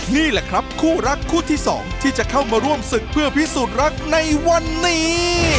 นี่แหละครับคู่รักคู่ที่สองที่จะเข้ามาร่วมศึกเพื่อพิสูจน์รักในวันนี้